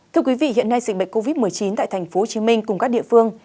thưa quý vị hiện nay dịch bệnh covid một mươi chín tại tp hcm cùng các địa phương